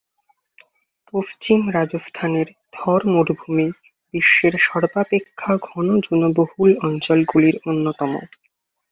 পশ্চিম রাজস্থানের থর মরুভূমি বিশ্বের সর্বাপেক্ষা ঘন জনবহুল অঞ্চলগুলির অন্যতম।